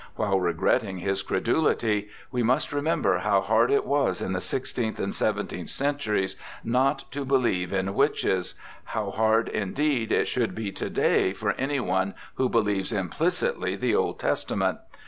While regretting his credulity, we must remember how hard it was in the sixteenth and seventeenth centuries not to believe in witches — how hard, indeed, it should be to day for any one who believes implicitly the Old Testament